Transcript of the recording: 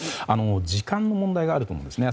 時間の問題があると思うんですね。